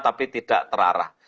tapi tidak terarah